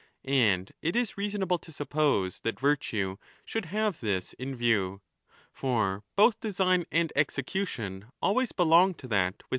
And it is 20 reasonable to suppose that virtue should have this in view. For both design and execution always belong to that with 27 32 = E.N. 1104^9 11 = E.